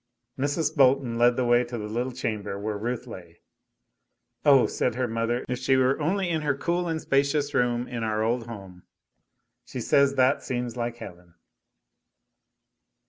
Mrs. Bolton led the way to the little chamber where Ruth lay. "Oh," said her mother, "if she were only in her cool and spacious room in our old home. She says that seems like heaven."